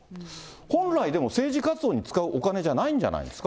本来でも、政治活動に使うお金じゃないんじゃないですか。